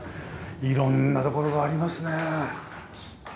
いろんなところがありますねえ。